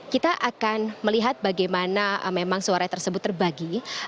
kita akan melihat bagaimana memang suara tersebut terbagi